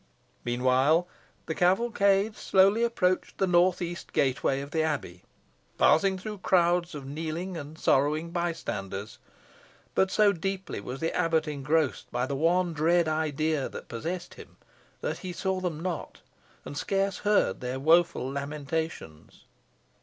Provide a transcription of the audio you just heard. Meanwhile, the cavalcade slowly approached the north east gateway of the abbey passing through crowds of kneeling and sorrowing bystanders; but so deeply was the abbot engrossed by the one dread idea that possessed him, that he saw them not, and scarce heard their woful lamentations.